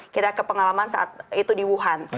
kita ke pengalaman saat itu di wuhan